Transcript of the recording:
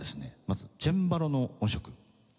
まずチェンバロの音色。